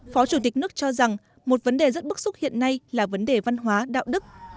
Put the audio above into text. phó chủ tịch nước cho rằng một vấn đề rất bức xúc hiện nay là vấn đề văn hóa đạo đức